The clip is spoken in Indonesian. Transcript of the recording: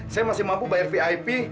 saya masih mampu bayar vip